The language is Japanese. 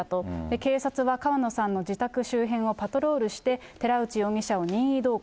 警察は川野さんの自宅周辺をパトロールして、寺内容疑者を任意同行。